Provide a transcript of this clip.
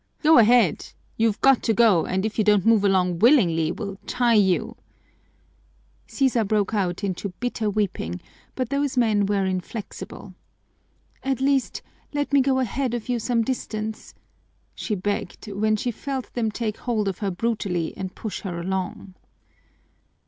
"Go ahead! You're got to go, and if you don't move along willingly, we'll tie you." Sisa broke out into bitter weeping, but those men were inflexible. "At least, let me go ahead of you some distance," she begged, when she felt them take hold of her brutally and push her along.